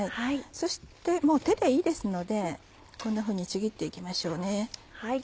そしてもう手でいいですのでちぎって行きましょう。